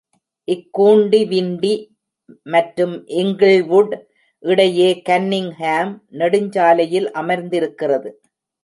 இது கூண்டிவிண்டி மற்றும் இங்கிள்வுட் இடையே கன்னிங்ஹாம் நெடுஞ்சாலையில் அமர்ந்திருக்கிறது.